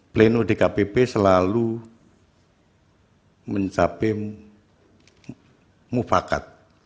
pleno dkpp selalu mencapai mufakat